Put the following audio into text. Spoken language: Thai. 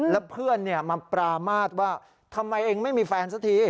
แล้วเพื่อนมาปรามาทว่าทำไมเองไม่มีแฟนสักที